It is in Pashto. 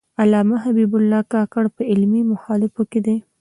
علامه حبیب الله کاکړ په علمي محافلو کې.